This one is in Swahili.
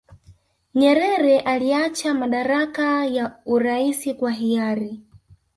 nyerere aliacha madaraka ya uraisi kwa hiyari